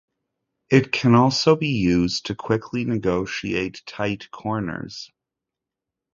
It can also be used to quickly negotiate tight corners.